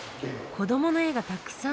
子どもの絵がたくさん。